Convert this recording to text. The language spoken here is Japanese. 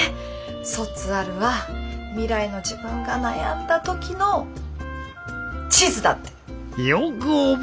卒アルは未来の自分が悩んだ時の地図だって。